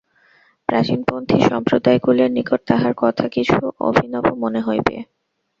প্রাচীনপন্থী সম্প্রদায়গুলির নিকট তাঁহার কথা কিছু অভিনব মনে হইবে।